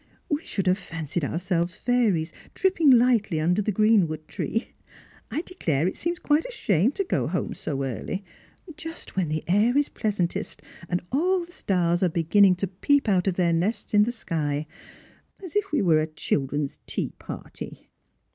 We should have fancied ourselves fairies tripping lightly under the greenwood tree. I declare it seems quite a shame to go home so early — ^just when the air is pleasantest, and all the stars are beginning to peep out of their nests in the sky — as if we were a children's tea party."